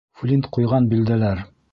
ФЛИНТ ҠУЙҒАН БИЛДӘЛӘР